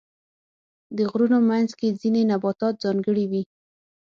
د غرونو منځ کې ځینې نباتات ځانګړي وي.